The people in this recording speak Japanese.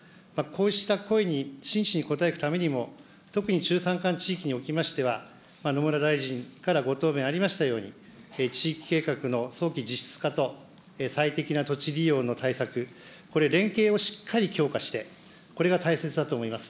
こうした声に真摯に応えていくためにも、特に中山間地域におきましては、野村大臣からご答弁ありましたように、地域計画の早期実質化と、最適な土地利用の対策、これ、連携をしっかり強化して、これが大切だと思います。